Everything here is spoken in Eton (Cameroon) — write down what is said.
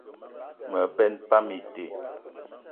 Me benn pam ite.